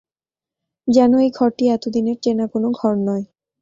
যেন এই ঘরটি এত দিনের চেনা কোনো ঘর নয়।